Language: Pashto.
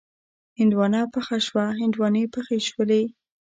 هندواڼه پخه شوه، هندواڼې پخې شولې